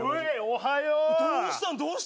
おはよう！